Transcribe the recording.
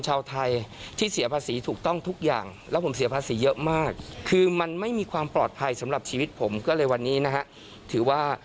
อ่าเดี๋ยวฟังเสียงหน่อยนะฮะ